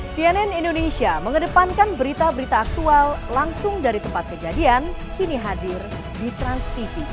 cnn indonesia mengedepankan berita berita aktual langsung dari tempat kejadian kini hadir di transtv